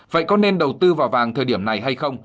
vậy có nên đầu tư vào vàng thời điểm này hay không